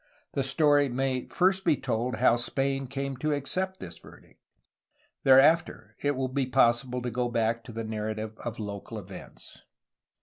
The story may first be told how Spain came to accept this verdict; thereafter it will be possible to go back to the narra tive of local events.